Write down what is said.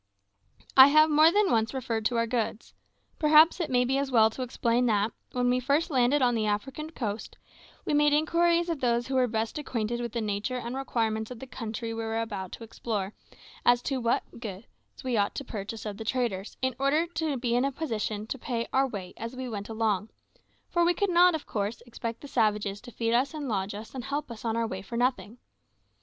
I have more than once referred to our goods. Perhaps it may be as well to explain that, when we first landed on the African coast, we made inquiries of those who were best acquainted with the nature and requirements of the country we were about to explore, as to what goods we ought to purchase of the traders, in order to be in a position to pay our way as we went along; for we could not, of course, expect the savages to feed us and lodge us and help us on our way for nothing.